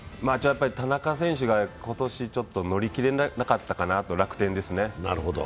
やっぱり田中選手が今年ちょっと乗り切れなかったかなと、楽天ですね。